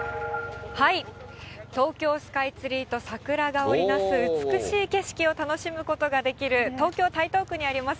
東京スカイツリーと桜が織りなす美しい景色を楽しむことができる、東京・台東区にあります